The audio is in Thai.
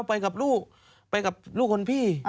ไปกับลูกไปกับลูกคนพี่